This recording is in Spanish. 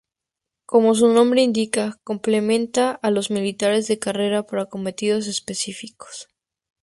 Como su nombre indica "complementa" a los militares de carrera para cometidos específicos.